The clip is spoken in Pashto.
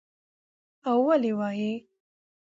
او ولې وايى